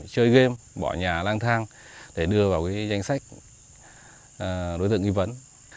chơi game bỏ nhà lang thang để đưa vào danh sách đối tượng nghi vấn